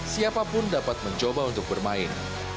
siapapun dapat mencoba untuk bermain